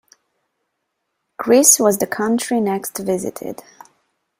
Greece was the country next visited.